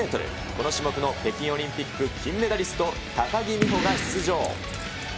この種目の北京オリンピック金メダリスト、高木美帆が出場。